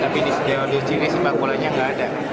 tapi di sini sebab bolanya gak ada